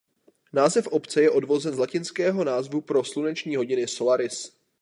Název obce je odvozen z latinského názvu pro sluneční hodiny ""solaris"".